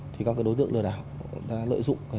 thì các đối tượng lừa đảo đã lợi dụng